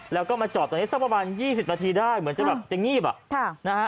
แล้วก็มาจอดตรงนี้สักประมาณ๒๐นาทีได้เหมือนจะแบบจะงีบอ่ะค่ะนะฮะ